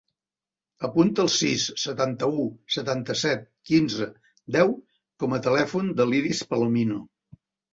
Apunta el sis, setanta-u, setanta-set, quinze, deu com a telèfon de l'Iris Palomino.